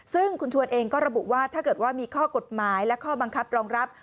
ซึ่งคุณชวนเองก็ระบุว่าถ้าเกิดว่ามีข้อกฎหมายและข้อบังคับรองรับ